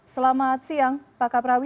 selamat siang pak kak prawi